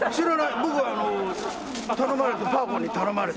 僕は頼まれてパー子に頼まれて。